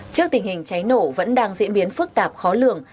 trước tình hình cháy nổ vẫn đang diễn biến phức tạp khó lường